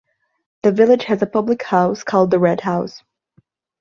The village has a public house called the 'Red House'.